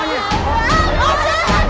jangan jangan jangan